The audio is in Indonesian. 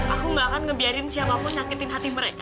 aku gak akan ngebiarin siapapun sakitin hati mereka